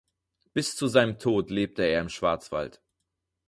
Bis zu seinem Tod lebte er im Schwarzwald.